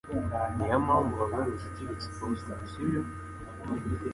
Niyo mpamvu wagarutse uturutse i Boston, sibyo?